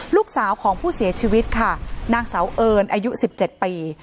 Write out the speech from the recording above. ลูกสาวของผู้เสียชีวิตค่ะนางสาวเอิญอายุ๑๗ปี